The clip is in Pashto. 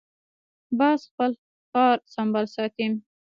باز خپل ښکار سمبال ساتي